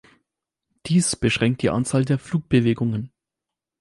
Dies beschränkt die Anzahl der Flugbewegungen.